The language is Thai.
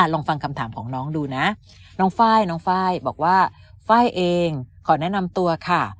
อ่ะลองฟังคำถามของน้องดูนะน้องฟ้ายบอกว่าฟ้ายเองขอแนะนำตัวค่ะ